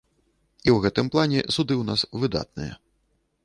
І ў гэтым плане суды ў нас выдатныя.